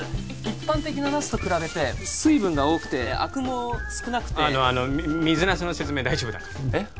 一般的なナスと比べて水分が多くてあくも少なくてあのあの水ナスの説明大丈夫だからえっ？